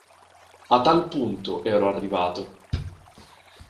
A tal punto ero arrivato.